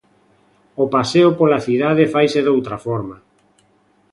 O paseo pola cidade faise doutra forma.